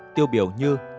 tiêu biểu như